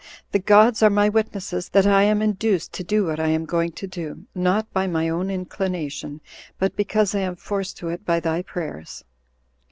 the gods are my witnesses that I am induced to do what I am going to do, not by my own inclination, but because I am forced to it by thy prayers."